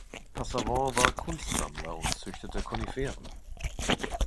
Passavant war Kunstsammler und züchtete Koniferen.